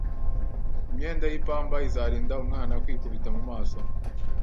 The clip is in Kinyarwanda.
Imyenda y'ipamba izarinda umwana kwikubita mu maso